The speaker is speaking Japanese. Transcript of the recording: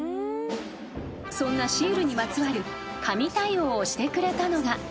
［そんなシールにまつわる神対応をしてくれたのが］